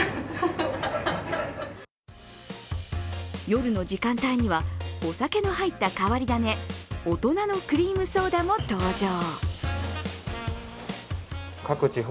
夜の時間帯にはお酒の入った変わり種大人のクリームソーダも登場。